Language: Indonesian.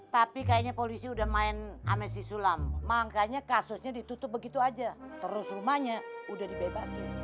tapi kayaknya polisi udah main sama si sulang makanya kasusnya ditutup begitu aja terus rumahnya udah dibebasi